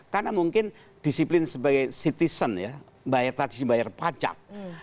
karena mungkin disiplin sebagai citizen bayar pajak